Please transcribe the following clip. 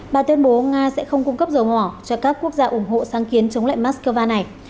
bà tuyên bố nga sẽ không cung cấp dầu mỏ cho các quốc gia ủng hộ sáng kiến chống lại moscow này